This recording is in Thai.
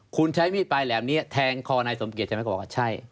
คุณใช้มีดปลายแหลมนี้แทงคอนายสมเกียจใช่ไหมเขาบอกว่าใช่